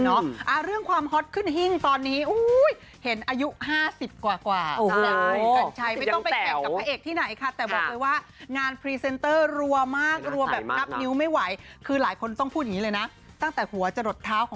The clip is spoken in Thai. เนาะเรื่องความฮอตขึ้นห้ิงตอนนี้อุ้ยเห็นอายุ๕๐กว่า